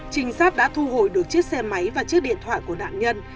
trinh sát đã thu hồi được chiếc xe máy và chiếc điện thoại của nạn nhân